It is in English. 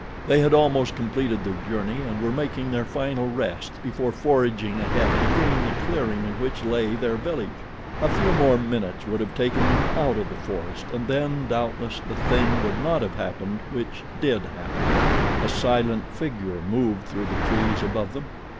They had almost completed their journey and were making their final rest before forging ahead to gain the clearing in which lay their village. A few more minutes would have taken them out of the forest, and then, doubtless, the thing would not have happened which did happen. A silent figure moved through the trees above them.